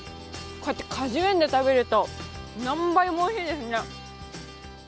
果樹園で食べると何倍もおいしいですね。